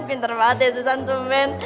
pinter banget ya susan tuh men